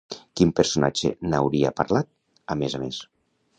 Quin personatge n'hauria parlat, a més a més?